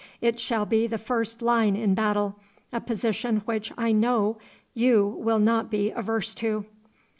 It shall be the first line in battle, a position which I know you will not be averse to.